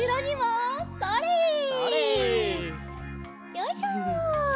よいしょ。